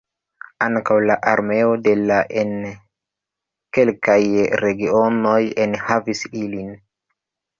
Ankaŭ la armeo de la en kelkaj regionoj enhavis ilin.